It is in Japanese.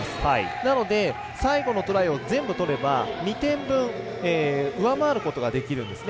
なので、最後のトライを全部とれば２点分上回ることができるんですね。